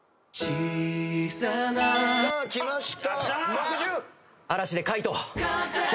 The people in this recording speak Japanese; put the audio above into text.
さあきました